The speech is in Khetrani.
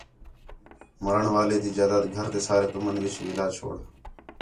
مَرݨ والے تی جائیداد گھر تے سارے تُمن تی وِچ وِلا چھوڑ